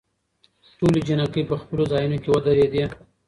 ټولې جینکې په خپلو ځايونوکې ودرېدي.